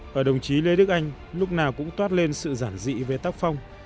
và đồng chí lê đức anh lúc nào cũng toát lên sự giản dị về tác phong